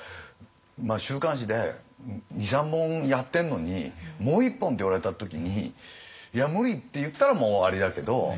週刊誌で２３本やってんのにもう１本って言われた時に「いや無理！」って言ったらもう終わりだけど。